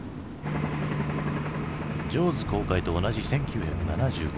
「ジョーズ」公開と同じ１９７５年。